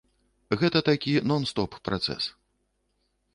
Гэта такі нон-стоп працэс.